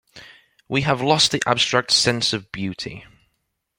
We have lost the abstract sense of beauty.